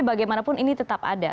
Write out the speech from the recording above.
bagaimanapun ini tetap ada